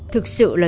thực sự là